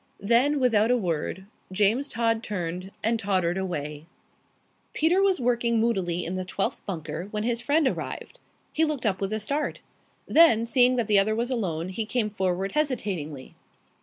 Then, without a word, James Todd turned and tottered away. Peter was working moodily in the twelfth bunker when his friend arrived. He looked up with a start. Then, seeing that the other was alone, he came forward hesitatingly.